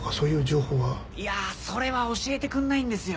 いやあそれは教えてくれないんですよ。